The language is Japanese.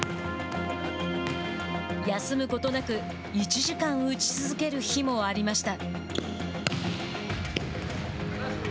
休むことなく１時間、打ち続ける日もありました。